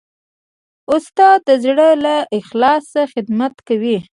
استاد د زړه له اخلاصه خدمت کوي.